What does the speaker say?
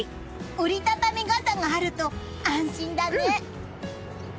折り畳み傘があると安心だね！